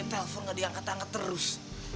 telpon gak diangkat angkat terus